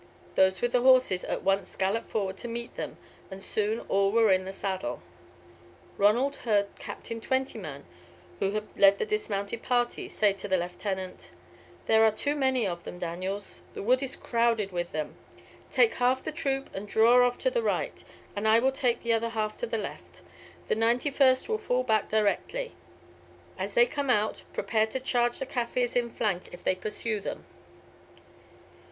Those with the horses at once galloped forward to meet them, and soon all were in the saddle. Ronald heard Captain Twentyman, who had led the dismounted party, say to the lieutenant: "There are too many of them, Daniels; the wood is crowded with them. Take half the troop and draw off to the right, and I will take the other half to the left. The 91st will fall back directly. As they come out, prepare to charge the Kaffirs in flank if they pursue them."